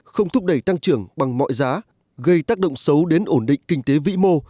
không thúc đẩy tăng trưởng bằng mọi giá gây tác động xấu đến ổn định kinh tế vĩ mô